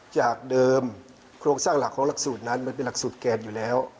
จากเดิมโครงสร้างหลักของหลักสูตรนั้นมันเป็นหลักสูตรแกนอยู่แล้ว